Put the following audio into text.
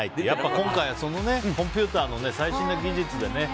今回はコンピューターの最新の技術でね。